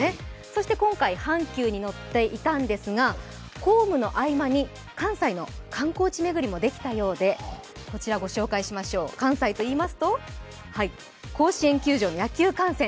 そして今回阪急に乗っていたんですが、公務の合間に関西の観光地巡りもできたようで、関西といいますと、甲子園球場の野球観戦。